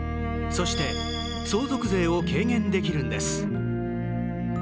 そして、相続税を軽減できるんです。